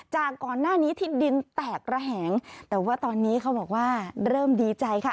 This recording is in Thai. จากก่อนหน้านี้ที่ดินแตกระแหงแต่ว่าตอนนี้เขาบอกว่าเริ่มดีใจค่ะ